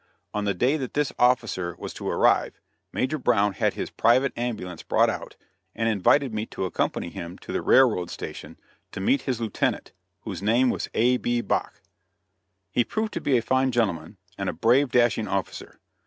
On the day that this officer was to arrive, Major Brown had his private ambulance brought out, and invited me to accompany him to the railroad station to meet his lieutenant, whose name was A.B. Bache. He proved to be a fine gentleman, and a brave, dashing officer.